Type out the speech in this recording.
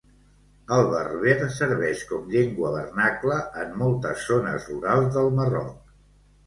El berber serveix com llengua vernacla en moltes zones rurals del Marroc.